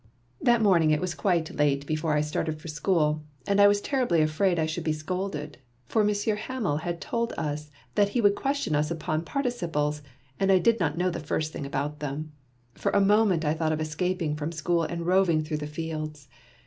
That morning it was quite late before I started for school, and I was terribly afraid I should be scolded, for Monsieur Hamel had told us that he would question us upon participles, and I did not know the first thing about them. For a moment I thought of escaping from school and roving through the fields.